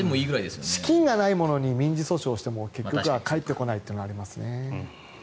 資金がない者に民事訴訟をしても結局は返ってこないというのがありますね。